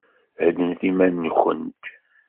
Heddnet iman-nwent.